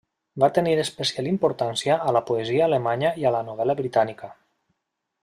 Va tenir especial importància a la poesia alemanya i la novel·la britànica.